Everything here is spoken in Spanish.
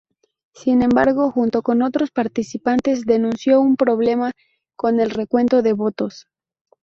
Sin embargo, junto con otros participantes denunció un problema con el recuento de votos.